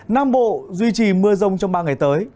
nam bộ duy trì mưa rông trong ba ngày tới